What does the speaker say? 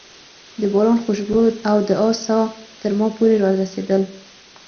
د باران خوشبو او د آس ساه تر ما پورې رارسېدل.